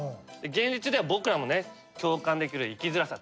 現実では僕らもね共感できる生きづらさ。